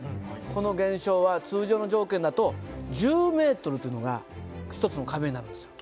この現象は通常の条件だと１０ｍというのが一つの壁になるんですよ。